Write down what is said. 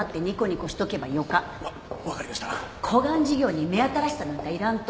こがん事業に目新しさなんかいらんと。